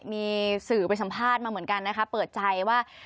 มีสื่อไปสัมภาษณ์มาเหมือนกันนะคะเปิดใจว่า